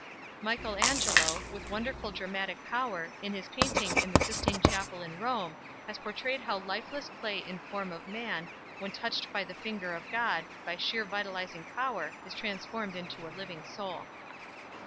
Michael Angelo, with wonderful dramatic power, in his painting in the Sistine Chapel at Rome has portrayed how lifeless clay in form of man, when touched by the finger of God, by sheer vitalizing power is transformed into a living soul.